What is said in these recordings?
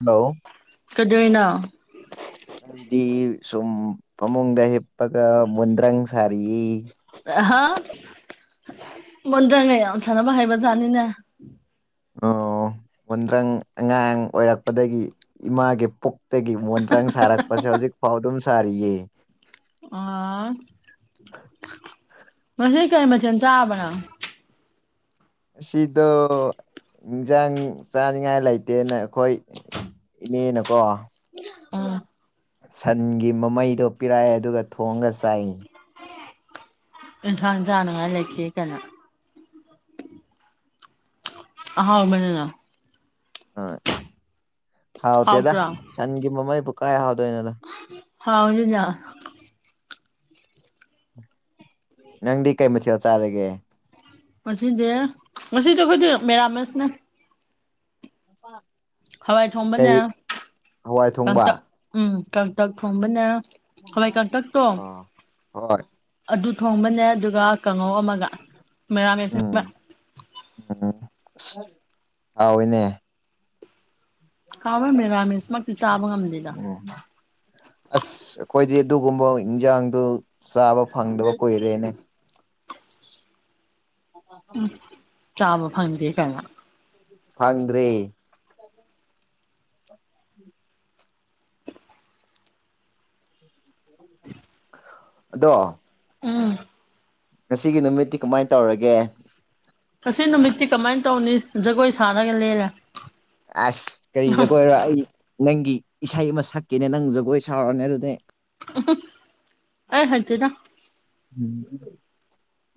hello ꯀꯗꯣꯏꯅꯣ ꯑꯩꯗꯤ ꯁꯨꯝ ꯐꯃꯨꯡꯗ ꯍꯤꯞꯄꯒ ꯃꯣꯟꯗ꯭ꯔꯪ ꯁꯥꯔꯤꯌꯦ ꯑꯍꯥ ꯃꯣꯟꯗ꯭ꯔꯪꯉ ꯌꯥꯝ ꯁꯥꯟꯅꯕ ꯍꯩꯕꯖꯥꯠꯅꯤꯅꯦ ꯑꯣ ꯃꯣꯟꯗ꯭ꯔꯪ ꯑꯉꯥꯡ ꯑꯣꯏꯔꯛꯄꯗꯒꯤ ꯏꯃꯥꯒꯤ ꯄꯨꯛ__ ꯇꯒꯤ ꯃꯣꯟꯗ꯭ꯔꯡ ꯁꯥꯔꯛꯄꯖꯦ ꯍꯧꯖꯤꯛꯐꯥꯎ ꯑꯗꯨꯝ ꯁꯥꯔꯤꯌꯦ ꯑꯥ ꯉꯁꯤ ꯀꯩ ꯃꯊꯦꯟ ꯆꯥꯔꯕꯅꯪ ꯉꯁꯤꯗꯣ ꯏꯟꯖꯥꯡ ꯆꯥꯅꯤꯡꯉꯥꯏ ꯂꯩꯇꯦꯅ ꯑꯩꯈꯣꯏ__ ꯏꯅꯦꯅꯀꯣ ꯑꯥ ꯁꯟꯒꯤ ꯃꯃꯩꯗꯣ ꯄꯤꯔꯛꯑꯦ ꯑꯗꯨꯒ ꯊꯣꯡꯉꯒ ꯆꯥꯏ ꯏꯟꯁꯥꯡ ꯆꯥꯅꯉꯥꯏ ꯂꯩꯇꯦ ꯀꯥꯏꯅ ꯑꯍꯥꯎ ꯕꯅꯤꯅ ꯍꯣꯏ ꯍꯥꯎꯇꯦꯗ ꯍꯥꯎꯇ꯭ꯔꯥ ꯁꯟꯒꯤ ꯃꯃꯩꯕꯨ ꯀꯥꯏ ꯍꯥꯎꯗꯣꯏꯅꯣꯗ ꯍꯥꯎꯋꯤꯗꯨꯗꯤ ꯅꯪꯗꯤ ꯀꯩ ꯃꯊꯦꯜ ꯆꯥꯔꯒꯦ ꯉꯁꯤꯗꯤ ꯉꯁꯤꯗꯤ ꯑꯩꯈꯣꯏꯗꯤ ꯃꯦꯔꯥꯃꯦꯁꯅꯦ ꯅꯨꯄꯥ ꯍꯋꯥꯏ ꯊꯣꯡꯕꯅꯦ ꯀꯩ ꯍꯋꯥꯏ ꯊꯣꯡꯕ ꯀꯥꯡꯇꯛ ꯎꯝ ꯀꯥꯡꯇꯛ ꯊꯣꯡꯕꯅꯦ ꯍꯋꯥꯏ ꯀꯥꯡꯇꯛꯇꯣ ꯑꯣ ꯍꯣꯏ ꯑꯗꯨ ꯊꯣꯡꯕꯅꯦ ꯑꯗꯨꯒ ꯀꯥꯡꯉꯧ ꯑꯃꯒ ꯃꯦꯔꯥ ꯃꯦꯁꯅꯦꯕ ꯎꯝ ꯎꯝ ꯍꯥꯎꯏꯅꯦ ꯍꯥꯎꯋꯦ ꯃꯦꯔꯥꯃꯦꯁꯃꯛꯇꯤ ꯆꯥꯕ ꯉꯝꯗꯦꯗ ꯑꯁ ꯑꯩꯈꯣꯏꯗꯤ ꯑꯗꯨꯒꯨꯝꯕ ꯏꯟꯖꯥꯡꯗꯨ ꯆꯥꯕ ꯐꯪꯗꯕ ꯀꯨꯏꯔꯦꯅꯦ ꯎꯝ ꯆꯥꯕ ꯐꯪꯗꯦ ꯀꯥꯏꯅ ꯐꯪꯗ꯭ꯔꯦ ꯑꯗꯣ ꯎꯝ ꯉꯁꯤꯒꯤ ꯅꯨꯃꯤꯠꯇꯤ ꯀꯃꯥꯏꯟ ꯇꯧꯔꯒꯦ ꯉꯁꯤ ꯅꯨꯃꯤꯠꯇꯤ ꯀꯃꯥꯏꯟ ꯇꯧꯅꯤ ꯖꯒꯣꯏ ꯁꯥꯔꯒ ꯂꯦꯜꯂꯦ ꯑꯁ ꯀꯔꯤ ꯖꯒꯣꯏꯔꯣ ꯑꯩ ꯅꯪꯒꯤ ꯏꯁꯩ ꯑꯃ ꯁꯛꯀꯦꯅꯦ ꯅꯪ ꯖꯒꯣꯏ ꯁꯥꯥꯎꯔꯣꯅꯦ ꯑꯗꯨꯗꯤ ꯑꯩ ꯍꯩꯇꯦꯗ ꯎꯝ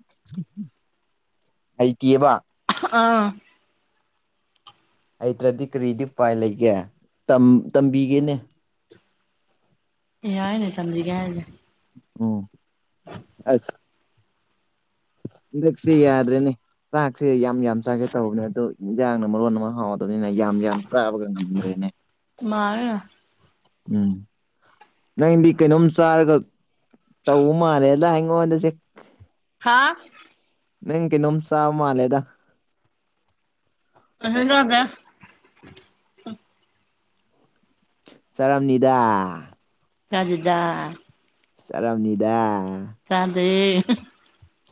[unintelligible] ꯍꯩꯇꯦꯕ ꯑꯥ [unintelligible] ꯍꯩꯇ꯭ꯔꯗꯤ ꯀꯔꯤꯗꯤ ꯎꯄꯥꯏ ꯂꯩꯒꯦ ꯇꯝ ꯇꯝꯕꯤꯒꯦꯅꯦ ꯌꯥꯏꯅꯦ ꯇꯝꯕꯤꯒꯦ ꯍꯥꯏꯗꯤ ꯎꯝ ꯑꯁ ꯍꯟꯗꯛꯁꯤ ꯌꯥꯗꯔ꯭ꯦꯅꯦ ꯆꯥꯛꯁꯦ ꯌꯥꯝ ꯌꯥꯝ ꯆꯥꯒꯦ ꯇꯧꯕꯅꯦ ꯑꯗꯨꯣ ꯏꯟꯖꯥꯡꯅ ꯃꯔꯣꯟ ꯑꯃ ꯍꯥꯎꯇꯥꯕꯥꯅꯤꯅ ꯌꯥꯝ ꯌꯥꯝ ꯆꯥꯕꯒ ꯉꯝꯗ꯭ꯔꯦꯅꯦ [unintelligible] ꯎꯝ ꯅꯪꯗꯤ ꯀꯩꯅꯣꯝ ꯆꯥꯔꯒ ꯇꯧꯕꯥ ꯃꯜꯂꯦꯗꯥ ꯑꯩꯉꯣꯟꯗꯥ ꯆꯦ ꯍꯥ ꯅꯪ ꯀꯩꯅꯣꯝ ꯆꯥꯕꯥ ꯃꯜꯂꯦꯗ ꯑ ꯍꯗ [unintelligible] ꯆꯔꯝꯅꯤꯗ ꯍꯟꯖꯥ [unintelligible] ꯆꯔꯝꯅꯤꯗ ꯆꯗꯦ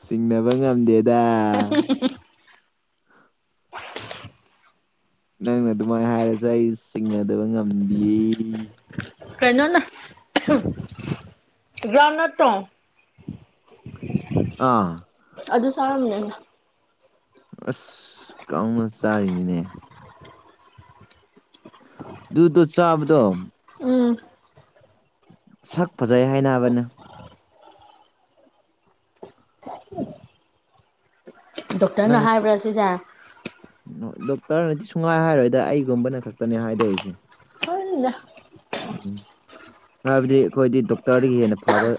ꯆꯤꯡꯅꯕ ꯉꯝꯗꯦ [unintelligible] ꯅꯪꯅ ꯑꯗꯨꯃꯥꯏꯅ ꯍꯥꯏꯔꯁꯨ ꯑꯩ ꯆꯤꯡꯅꯗꯕ ꯉꯝ ꯀꯩꯅꯣꯅꯦ [unintelligible] ꯒꯔꯧꯟꯗꯅꯠ ꯇꯣ ꯑꯥ ꯑꯗꯨ ꯆꯥꯔꯝꯅꯤꯅꯦ ꯑꯁ ꯒꯔꯧꯟꯗꯅꯠ ꯆꯥꯔꯤꯅꯤꯅꯦ ꯗꯨꯗꯣ ꯆꯥꯕꯗꯣ ꯎꯝ ꯁꯛ ꯐꯖꯩ ꯍꯥꯏꯅꯕꯅꯦ ꯗꯣꯛꯇꯔꯅ ꯅꯪ ꯍꯥꯏꯕ꯭ꯔꯥ ꯁꯤꯖꯦ [unintelligible] ꯗꯣꯛꯇꯔꯅꯗꯤ ꯁꯨꯡꯉꯥꯏ ꯍꯥꯏꯔꯣꯏꯗ ꯑꯩꯒꯨꯝꯕꯅ ꯈꯛꯇꯅꯦ ꯍꯥꯏꯗꯣꯔꯤꯁꯦ [unintelligible] ꯍꯥꯏꯕꯗꯤ ꯑꯩꯈꯣꯏꯗꯤ ꯗꯣꯛꯇꯔꯗꯒꯤ ꯍꯦꯟꯅ ꯐꯕ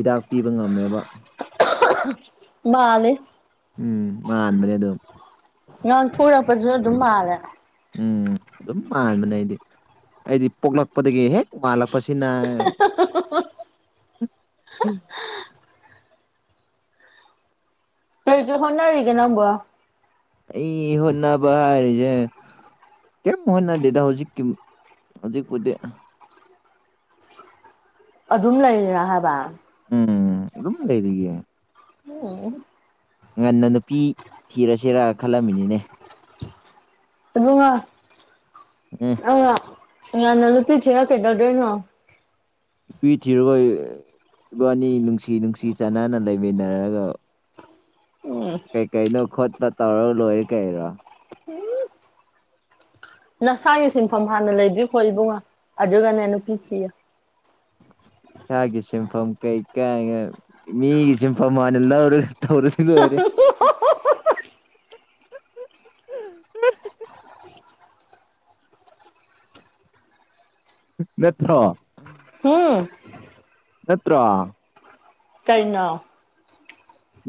ꯍꯤꯗꯥꯛ ꯄꯤꯕ ꯉꯝꯃꯦꯕ [unintelligible] ꯃꯥꯜꯂꯦ ꯎꯝ ꯃꯥꯟꯕꯅꯦ ꯑꯗꯨꯝ ꯉꯥꯡ ꯊꯣꯔꯛꯄꯁꯨ ꯑꯗꯨꯝ ꯃꯥꯜꯂꯦ ꯎꯝ ꯑꯗꯨꯝ ꯃꯥꯟꯕꯅꯦ ꯑꯩꯗꯤ ꯑꯩꯗꯤ ꯄꯣꯛꯂꯛꯄꯗꯒꯤ ꯍꯦꯛ ꯃꯥꯜꯂꯛꯄꯁꯤꯅ [unintelligible] [unintelligible] ꯀꯩ ꯀꯩ ꯍꯣꯠꯅꯔꯤꯒꯦ ꯅꯪꯕꯣ ꯑꯩ ꯍꯣꯠꯅꯕ ꯍꯥꯏꯔꯤꯖꯦ ꯀꯦꯝ ꯍꯣꯠꯅꯗꯦꯗ ꯍꯧꯖꯤꯛꯀꯤ ꯍꯧꯖꯤꯛꯄꯨꯗꯤ ꯑꯥꯍ ꯑꯗꯨꯝ ꯂꯩꯔꯤꯔ ꯍꯥꯏꯕ ꯎꯝ ꯑꯗꯨꯝ ꯂꯩꯔꯤꯌꯦ [unintelligible] ꯉꯟꯅ ꯅꯨꯄꯤ ꯊꯤꯔꯁꯤꯔ ꯈꯜꯂꯝꯃꯤꯅꯤꯅꯦ ꯏꯕꯨꯡꯉꯣ ꯑꯦ [unintelligible] ꯉꯟꯅ ꯅꯨꯄꯤ ꯊꯤꯔ ꯀꯩꯗꯧꯗꯣꯏꯅꯣ ꯅꯨꯄꯤ ꯊꯤꯔꯔꯣꯏ ꯏꯕꯥꯅꯤ ꯅꯨꯡꯁꯤ ꯅꯨꯡꯁꯤ ꯆꯥꯟꯅꯅ ꯂꯩꯃꯤꯟꯅꯔꯒ ꯎꯝ ꯀꯩꯀꯩꯅꯣ ꯈꯣꯠꯄ ꯇꯧꯔ ꯂꯣꯏꯔꯦ ꯀꯩꯔꯣ ꯍꯨꯝ ꯅꯁꯥꯒꯤ ꯁꯤꯟꯐꯝ ꯍꯥꯟꯅ ꯂꯩꯕꯤꯈ꯭ꯔꯣ ꯏꯕꯨꯡꯉꯣ ꯑꯗꯨꯒꯅꯦ ꯅꯨꯄꯤ ꯊꯤꯌꯣ ꯁꯥꯒꯤ ꯁꯤꯟꯐꯝ ꯀꯩ [unintelligible] ꯃꯤꯒꯤ ꯁꯤꯟꯐꯝ ꯍꯥꯟꯅ ꯂꯧꯔꯒ ꯇꯧꯔꯒ ꯂꯣꯏꯔꯦ ꯅꯠꯇ꯭ꯔꯣ ꯍꯨꯝ ꯅꯠꯇ꯭ꯔꯣ ꯀꯔꯤꯅꯣ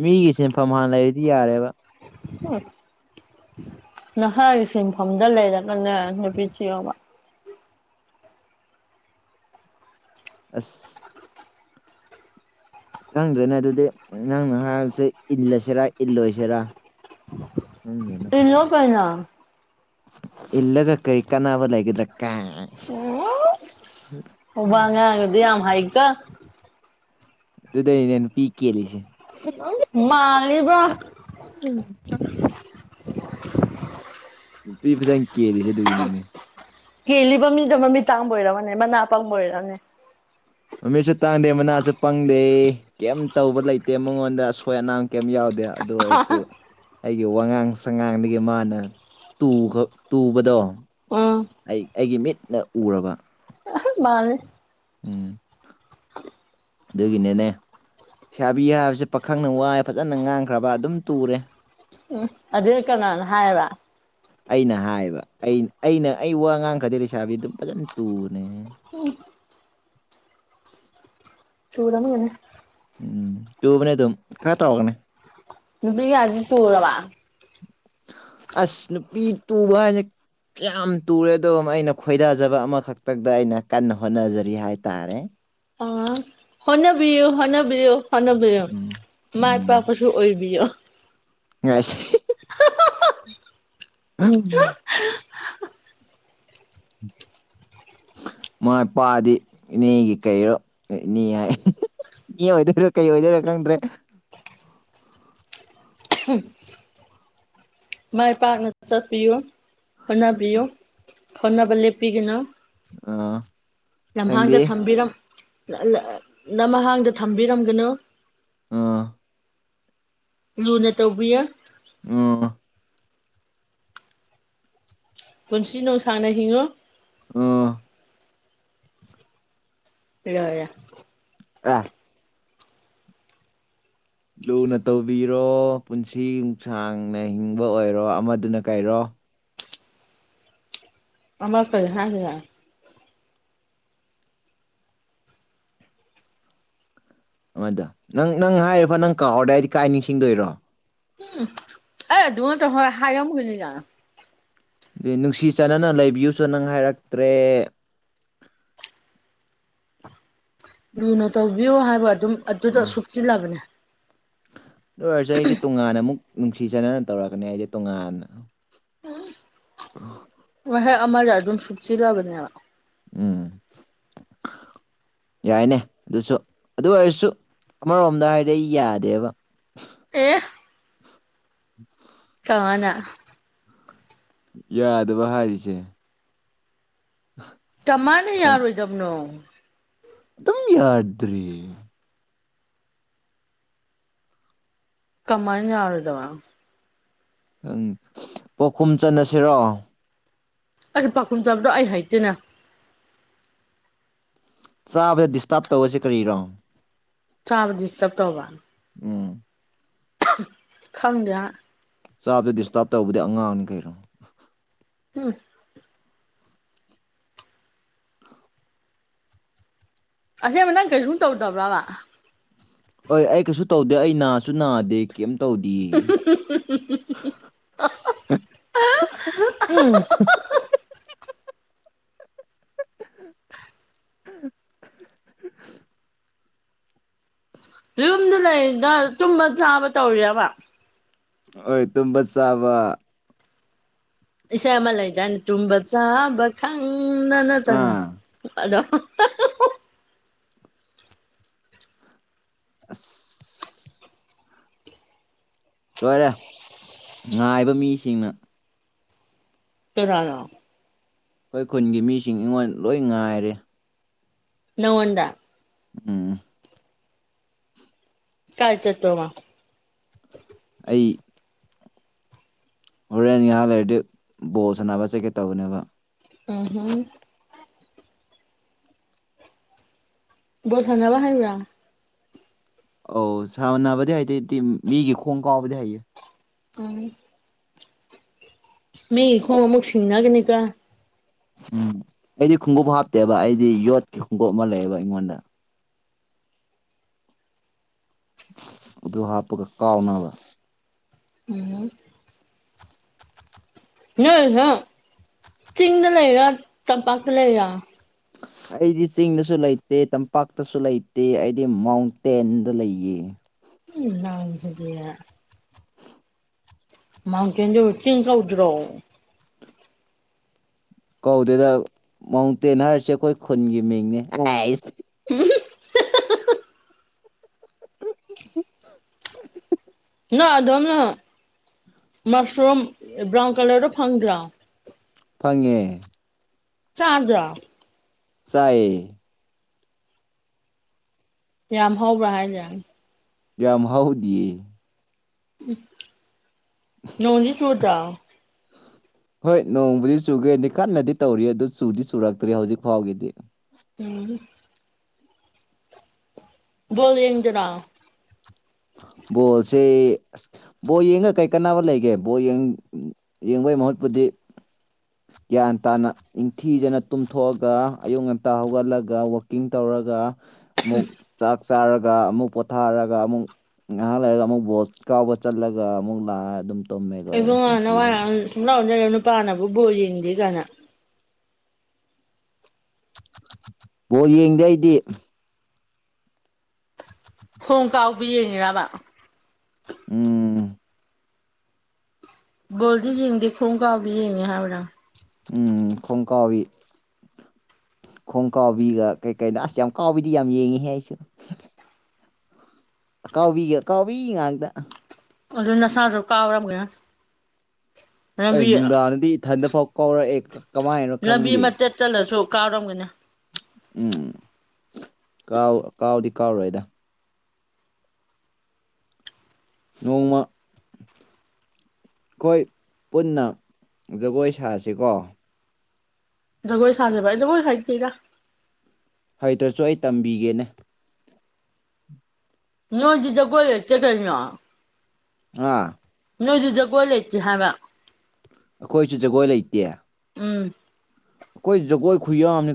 ꯃꯤꯒꯤ ꯁꯤꯟꯐꯝ ꯍꯥꯟꯅ ꯂꯩꯔꯗꯤ ꯌꯥꯔꯦꯕ [unintelligible] ꯅꯍꯥꯒꯤ ꯁꯤꯟꯐꯝꯗ ꯂꯩꯔꯒꯅꯦ ꯅꯨꯄꯤ ꯊꯤꯌꯣꯕ ꯑꯁ ꯈꯪꯗ꯭ꯔꯦꯅꯦ ꯑꯗꯨꯗꯤ ꯅꯪ ꯍꯥꯏꯔꯤꯁꯦ ꯏꯜꯂꯁꯤꯔ ꯏꯜꯂꯣꯏꯁꯤꯔ ꯏꯜꯂꯣ ꯀꯩꯅꯣ ꯏꯜꯂꯒ ꯀꯩ ꯀꯥꯅꯕ ꯂꯩꯒꯗ꯭ꯔ ꯀꯥꯏ [unintelligible] ꯉꯥꯡꯕꯗꯤ ꯌꯥꯝ ꯍꯩꯀꯣ ꯑꯗꯨꯨꯗꯩꯅꯦ ꯅꯨꯄꯤ ꯀꯦꯜꯂꯤꯁꯦ ꯎꯨꯝꯍ ꯃꯥꯜꯂꯤꯕ꯭ꯔꯥ [inaudible] ꯅꯨꯄꯤ ꯐꯖꯟ ꯀꯦꯜꯂꯤꯁꯦ ꯑꯗꯨꯒꯤꯅꯤꯅꯦ ꯀꯦꯜꯂꯤꯕ ꯃꯤꯗꯣ ꯃꯃꯤꯠ ꯇꯥꯡꯕ ꯑꯣꯏꯔꯝꯃꯅꯦ ꯃꯅꯥ ꯄꯪꯕ ꯑꯣꯏꯔꯝꯅꯦ ꯃꯃꯤꯠꯁꯨ ꯇꯥꯡꯗꯦ ꯃꯅꯥꯁꯨ ꯄꯪꯗꯦ ꯀꯩꯝ ꯇꯧꯕ ꯂꯩꯇꯦ ꯃꯉꯣꯟꯗ ꯑꯁꯣꯏ ꯑꯅꯥꯝ ꯀꯩꯝ ꯌꯥꯎꯗꯦ ꯑꯗꯨ ꯑꯣꯏꯔꯁꯨ ꯑꯩꯒꯤ ꯋꯥꯉꯥꯡ ꯁꯉꯥꯡꯗꯒꯤ ꯃꯥꯅ ꯇꯨꯈꯥ ꯇꯨꯕꯗꯣ ꯎꯝ ꯑꯩ ꯑꯩꯒꯤ ꯃꯤꯠꯅ ꯎꯔꯕ ꯑꯍ ꯃꯥꯜꯂꯦ ꯎꯨꯝ ꯑꯗꯨꯒꯤꯅꯦꯅꯦ ꯁꯥꯥꯕꯤ ꯍꯥꯏꯕꯁꯦ ꯄꯥꯈꯪꯅ ꯋꯥꯏ ꯐꯖꯅ ꯉꯥꯡꯈ꯭ꯔꯕ ꯑꯗꯨꯝ ꯇꯨꯔꯦ ꯑꯗꯨꯟ ꯀꯅꯥꯅ ꯍꯥꯏꯕ ꯑꯩꯅ ꯍꯥꯏꯕ ꯑꯩ ꯑꯩꯅ ꯑꯩ ꯋꯥ ꯉꯥꯡꯈ꯭ꯔꯗꯤ ꯂꯩꯁꯥꯕꯤ ꯑꯗꯨꯝ ꯐꯖꯅ ꯇꯨꯕꯅꯦꯍꯦ ꯇꯨꯔꯝꯒꯅꯤ ꯎꯝ ꯇꯨꯕꯅꯦ ꯑꯗꯨꯝ ꯈꯔ ꯇꯧꯔꯒꯅꯦ ꯅꯨꯕꯤ ꯀꯌꯥꯗꯤ ꯇꯧꯔꯕ ꯑꯁ ꯅꯨꯄꯤ ꯇꯨꯕ ꯍꯥꯏꯖꯦ ꯀꯌꯥꯝ ꯇꯨꯔꯦ ꯑꯗꯣ ꯑꯩꯅ ꯈꯣꯏꯗꯥꯖꯕ ꯑꯃꯈꯛꯇꯗ ꯑꯩꯅ ꯀꯟꯅ ꯍꯣꯠꯅꯖꯔꯤ ꯍꯥꯏꯇꯥꯔꯦ ꯑ ꯍꯣꯠꯅꯕꯤꯌꯨ ꯍꯣꯠꯅꯕꯤꯌꯨ ꯍꯣꯠꯅꯕꯤꯌꯨ ꯎꯝ ꯃꯥꯏ ꯄꯥꯛꯄꯁꯨ ꯑꯣꯏꯕꯤꯌꯣ ꯑꯁ ꯍꯤꯍꯤ ꯍꯥ ꯍꯥ ꯍꯥ ꯍꯝ ꯍꯥ ꯍ [inaudible] ꯃꯥꯏ ꯄꯥꯑꯥꯗꯤ ꯏꯅꯦꯒꯤ ꯀꯩꯔꯣ ꯏꯅꯦ ꯍꯥꯏ ꯏꯅꯦ ꯑꯣꯏꯗꯣꯏꯔꯣ ꯀꯩ ꯑꯣꯏꯗꯣꯏꯔꯥ ꯈꯪꯗ꯭ꯔꯦ [unintelligible] ꯃꯥꯏ ꯄꯥꯛꯅ ꯆꯠꯄꯤꯌꯨ ꯍꯣꯠꯅꯕꯤꯌꯨ ꯍꯣꯠꯅꯕ ꯂꯦꯞꯄꯤꯒꯅꯨ ꯑꯥ ꯂꯝꯍꯥꯡꯗ ꯊꯝꯕꯤꯔꯝ ꯂ ꯂ ꯂꯝꯍꯥꯡꯗ ꯊꯝꯕꯤꯔꯝꯒꯅꯨ ꯑꯥ ꯂꯨꯅ ꯇꯧꯕꯤꯌꯣ ꯑꯣ ꯄꯨꯟꯁꯤ ꯅꯣꯡꯁꯥꯡꯅ ꯍꯤꯡꯉꯨ ꯑꯥ ꯀꯩꯗꯧꯔꯤꯒꯦ [unintelligible] ꯂꯨꯅ ꯇꯧꯕꯤꯔꯣ ꯄꯨꯟꯁꯤ ꯌꯨꯡꯁꯥꯡꯅ ꯍꯤꯡꯕ ꯑꯣꯏꯔꯣ ꯑꯃꯗꯨꯅ ꯀꯩꯔꯣ ꯑꯃ ꯀꯩ ꯍꯥꯏꯈꯤꯒꯦ ꯑꯃꯗ ꯅꯪ ꯅꯪ ꯍꯥꯏꯔꯤꯐ ꯅꯪ ꯀꯥꯎꯔꯗꯤ ꯑꯩꯗꯤ ꯀꯥꯏ ꯅꯤꯡꯁꯤꯡꯗꯣꯏꯔꯣ ꯎꯝ ꯑꯩ ꯑꯗꯨ ꯉꯠꯇ ꯍꯣꯏ ꯍꯥꯏꯔꯝꯒꯅꯤꯅ ꯗꯦ ꯅꯨꯡꯁꯤ ꯆꯥꯟꯅꯅ ꯂꯩꯕꯤꯌꯨꯁꯨ ꯅꯪ ꯍꯥꯏꯔꯛꯇ꯭ꯔꯦ ꯂꯨꯅ ꯇꯧꯕꯤꯌꯣ ꯍꯥꯏꯕ ꯑꯗꯨꯝ ꯑꯗꯨꯗ ꯑꯥ ꯁꯨꯞꯆꯤꯜꯂꯕꯅꯦ ꯗꯨ ꯑꯣꯏꯔꯁꯨ ꯑꯩꯗꯤ ꯇꯣꯉꯥꯟꯅ ꯑꯃꯨꯛ ꯅꯨꯡꯁꯤ ꯆꯥꯟꯅꯅ ꯇꯧꯔꯛꯀꯅꯤ ꯑꯩꯗꯤ ꯇꯣꯉꯥꯟꯅ ꯎꯪ ꯋꯥꯍꯩ ꯑꯃꯗ ꯑꯗꯨꯝ ꯁꯨꯨꯞꯆꯤꯜꯂꯕꯅꯦꯕ ꯎꯝ ꯌꯥꯏꯅꯦ ꯑꯗꯨꯁꯨ ꯑꯗꯨ ꯑꯣꯏꯔꯁꯨ ꯑꯃꯔꯣꯝꯗ ꯍꯥꯏꯔꯗꯤ ꯑꯩ ꯌꯥꯗꯦꯕ ꯑꯦ ꯀꯃꯥꯅ ꯌꯥꯗꯕ ꯍꯥꯏꯔꯤꯁꯦ [unintelligible] ꯀꯃꯥꯏꯅ ꯈꯪ ꯌꯥꯔꯣꯏꯗꯕꯅꯣ ꯑꯗꯨꯝ ꯌꯥꯗ꯭ꯔꯤ ꯀꯃꯥꯏꯟ ꯌꯔꯣꯏꯗꯕ ꯑꯪ ꯄꯥꯎꯈꯨꯝ ꯆꯟꯅꯁꯤꯔꯣ ꯑꯩ ꯄꯥꯈꯨꯝ ꯆꯟꯕꯗꯣ ꯑꯩ ꯍꯩꯇꯦꯅꯦ ꯆꯥꯕꯗ ꯗꯤꯁꯇꯥꯕ ꯇꯧꯔꯁꯤ ꯀꯔꯤꯔꯣ ꯆꯥꯕ ꯗꯤꯁꯇꯞ ꯇꯧꯕ ꯎꯝ ꯈꯪꯗꯦ ꯍꯥ ꯆꯥꯕꯗ ꯗꯤꯁꯇꯥꯕ ꯇꯧꯕꯗꯤ ꯑꯉꯥꯡꯅꯤ ꯀꯩꯅꯣ ꯍꯝ ꯑꯖꯦꯡꯕ ꯅꯪ ꯀꯩꯖꯨꯟ ꯇꯧꯗꯕ꯭ꯔꯥꯕ ꯍꯣꯏ ꯑꯩ ꯀꯩꯁꯨ ꯇꯧꯗꯦ ꯑꯩ ꯅꯥꯁꯨ ꯅꯥꯗꯦ ꯀꯩꯝ ꯇꯧꯗꯤꯌꯦ [unintelligible] [unintelligible] ꯌꯨꯝꯗ ꯂꯩꯔꯤꯗꯣ ꯇꯨꯝꯕ ꯆꯥꯕ ꯇꯧꯔꯤꯔꯕ ꯑꯣꯏ ꯇꯨꯝꯕ ꯆꯥꯕ ꯏꯁꯩ ꯑꯃ ꯂꯩꯗꯥꯏꯅ ꯇꯨꯝꯕ ꯆꯥꯕ ꯈꯪꯗꯅ ꯇꯧ ꯑꯥ ꯑꯗꯣ ꯑꯁ ꯂꯣꯏꯔꯦ ꯉꯥꯏꯕ ꯃꯤꯁꯤꯡꯅ [unintelligible] ꯑꯩꯈꯣꯏ ꯈꯨꯟꯒꯤ ꯃꯤꯁꯤꯡ ꯑꯩꯉꯣꯟ ꯂꯣꯏ ꯉꯥꯏꯔꯦ ꯅꯉꯣꯟꯗ ꯎꯝ ꯀꯥꯏ ꯆꯠꯇꯣꯔꯤꯃꯣ ꯑꯩ ꯍꯣꯔꯦꯟ ꯉꯍꯥꯛ ꯂꯩꯔꯗꯤ ꯕꯣꯜ ꯁꯥꯟꯅꯕ ꯆꯠꯀꯦ ꯇꯧꯕꯅꯦꯕ ꯎꯝ ꯍꯝ ꯕꯣꯜ ꯁꯥꯟꯅꯕ ꯍꯥꯩꯕꯔꯥ ꯑꯧ ꯁꯅꯕꯗꯤ ꯍꯥꯏꯇꯦ ꯇꯥꯝ ꯃꯤꯒꯤ ꯈꯣꯡ ꯀꯥꯎꯕꯗꯤ ꯍꯩꯌꯦ ꯑꯝ ꯃꯤꯒꯤ ꯈꯣꯡ ꯑꯃꯨꯛ ꯁꯤꯡꯅꯒꯅꯤꯀꯣ ꯎꯝ ꯑꯩꯗꯤ ꯈꯣꯡꯎꯞ ꯍꯥꯞꯇꯦꯕ ꯑꯩꯗꯤ ꯌꯣꯠꯀꯤ ꯈꯣꯡꯎꯞ ꯑꯃ ꯂꯩꯌꯦꯕ ꯑꯩꯉꯣꯟꯗ ꯑꯗꯨ ꯍꯥꯞꯄꯒ ꯀꯥꯎꯅꯕ ꯎꯝ ꯅꯣꯏ [unintelligible] ꯆꯤꯡꯗ ꯂꯩꯔꯤꯔꯦ ꯇꯝꯄꯥꯛꯇ ꯂꯩꯔꯤꯔꯥ ꯑꯩꯗꯤ ꯆꯤꯡꯗꯁꯨ ꯂꯩꯇꯦ ꯇꯝꯄꯥꯛꯇꯁꯨ ꯂꯩꯇꯦ ꯑꯩꯗꯤ ꯃꯥꯎꯟꯇꯦꯟꯗ ꯂꯩꯌꯦ [inaudible] ꯃꯥꯎꯇꯦꯟꯗꯣ ꯆꯤꯡ ꯀꯧꯗꯔꯣ ꯀꯧꯗꯦꯗ ꯃꯥꯎꯟꯇꯦꯟ ꯍꯥꯏꯔꯤꯁꯦ ꯑꯩꯈꯣꯏ ꯈꯨꯟꯒꯤ ꯃꯤꯡꯅꯦ [unintelligible] [unintelligible] ꯅꯣꯏ ꯑꯗꯣꯝꯅ ꯃꯁꯔꯨꯝ ꯕ꯭ꯔꯥꯎꯟ ꯀꯂꯔꯗꯣ ꯐꯪꯗ꯭ꯔꯣ ꯐꯪꯉꯦ ꯆꯥꯗ꯭ꯔꯥ ꯆꯥꯏꯌꯦ ꯌꯥꯝ ꯍꯧꯕ꯭ꯔꯥ ꯍꯥꯏꯁꯦ ꯌꯥꯝ ꯍꯧꯗꯤꯌꯦ ꯎꯝ ꯅꯣꯡꯗꯤ ꯆꯨꯗ꯭ꯔꯣ ꯍꯣꯏ ꯅꯣꯡꯕꯨꯗꯤ ꯆꯨꯒꯦꯗꯤ ꯀꯟꯅꯗꯤ ꯇꯧꯔꯤ ꯑꯗꯨ ꯆꯨꯗꯤ ꯆꯨꯔꯛꯇ꯭ꯔꯤ ꯍꯧꯖꯤꯛ ꯐꯥꯎꯒꯤꯗꯤ ꯎꯝ ꯕꯣꯜ ꯌꯦꯡꯗꯔꯣ [inaudible] ꯕꯣꯜꯁꯦ ꯕꯣꯜ ꯌꯦꯡꯉꯒ ꯀꯩ ꯀꯥꯟꯅꯕ ꯂꯩꯒꯦ ꯕꯣꯜ ꯌꯦꯡꯕꯩ ꯃꯍꯨꯠꯄꯨꯗꯤ ꯒ꯭ꯌꯥꯟ ꯇꯥꯅ ꯅꯤꯡꯊꯤꯖꯅ ꯇꯨꯝꯊꯣꯛꯑꯒ ꯑꯌꯨꯛ ꯉꯟꯇꯥ ꯍꯧꯒꯠꯂꯒ ꯋꯥꯛꯀꯤꯡ ꯇꯧꯔꯒ ꯑꯃꯨꯛ ꯆꯥꯛ ꯆꯥꯔꯒ ꯑꯃꯨꯛ ꯄꯣꯊꯥꯔꯒ ꯑꯃꯨꯛ ꯉꯥꯏꯍꯥꯛ ꯂꯩꯔꯒ ꯑꯃꯨꯛ ꯕꯣꯜ ꯀꯥꯎꯕ ꯆꯠꯂꯒ ꯑꯃꯨꯛ ꯂꯥꯛꯑ ꯑꯗꯨꯝ ꯇꯨꯝꯃꯦ ꯂꯣꯏꯔꯦ ꯏꯕꯨꯉꯣ ꯄꯨꯟꯁꯤ ꯅꯋꯥ ꯍꯥꯏ [unintelligible] ꯅꯨꯄꯥꯅꯕꯨ ꯕꯣꯜ ꯌꯦꯡꯗꯦ ꯀꯥꯏꯅꯥ ꯕꯣꯜꯌꯦꯡꯗꯦ ꯑꯩꯗꯤ ꯈꯣꯡ ꯀꯥꯎꯕꯤ ꯌꯦꯡꯉꯤꯔꯕ ꯎꯝ ꯕꯣꯜꯗꯤ ꯌꯦꯡꯗꯦ ꯈꯣꯡꯒꯥꯎꯗ ꯌꯦꯡꯉꯦ ꯍꯥꯏꯕꯔꯥ ꯎꯡ ꯈꯣꯡꯀꯥꯎꯋꯤ ꯈꯣꯡ ꯀꯥꯎꯕꯤꯒ ꯀꯩꯀꯩꯗ ꯑꯁ ꯌꯥꯝ ꯀꯥꯎꯕꯤꯗꯤ ꯌꯥꯝ ꯌꯦꯡꯉꯤꯍꯦ ꯑꯩꯁꯨ ꯑꯀꯥꯎꯕꯤꯒ ꯑꯀꯥꯎꯕꯤ ꯉꯥꯛꯇ ꯑꯗꯨ ꯅꯁꯥꯗꯨ ꯀꯥꯎꯔꯝꯒꯤꯔꯣꯏ ꯑꯦ ꯅꯨꯡꯗꯥꯡꯗꯗꯤ ꯏꯊꯟꯗꯐꯥꯎ ꯀꯥꯎꯔꯛꯑꯦ ꯀꯃꯥꯏꯅꯣ ꯂꯝꯕꯤ ꯈꯪꯗꯦ ꯃꯇꯠ ꯆꯠꯂꯁꯨ ꯀꯥꯎꯔꯝꯒꯅꯤ ꯎꯝ ꯀꯥꯎ ꯀꯥꯎꯗꯤ ꯀꯥꯎꯔꯣꯏꯗ ꯅꯣꯡꯃ ꯑꯩꯈꯣꯏ ꯄꯨꯟꯅ ꯖꯒꯣꯏ ꯁꯥꯁꯤꯀꯣ ꯖꯒꯣꯏ ꯁꯥꯖꯦꯕ ꯑꯩ ꯖꯒꯣꯏ ꯍꯩꯇꯦꯗ ꯍꯩꯇ꯭ꯔꯁꯨ ꯑꯩ ꯇꯝꯕꯤꯒꯦꯅꯦ ꯅꯣꯏꯗꯤ ꯖꯒꯣꯏ ꯂꯩꯇꯦ ꯀꯩꯅꯣ ꯉꯥ ꯅꯣꯏꯗꯤ ꯖꯒꯣꯏ ꯂꯩꯇꯦ ꯍꯥꯏꯕ ꯑꯈꯣꯏꯁꯨ ꯖꯒꯣꯏ ꯂꯩꯇꯦ ꯎꯝ ꯑꯈꯣꯏ ꯖꯒꯣꯏ ꯈꯨꯌꯥꯝꯅꯤ